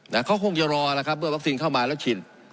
เขาคงจะรอแล้วครับเมื่อวัคซีนเข้ามาแล้วฉีด